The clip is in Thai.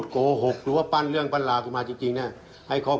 ครับเชิญเลยขอท้าเลย